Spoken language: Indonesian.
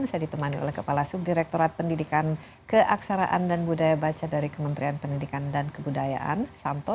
saya ditemani oleh kepala subdirektorat pendidikan keaksaraan dan budaya baca dari kementerian pendidikan dan kebudayaan santo